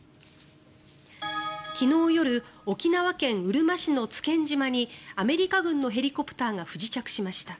昨日夜沖縄県うるま市の津堅島にアメリカ軍のヘリコプターが不時着しました。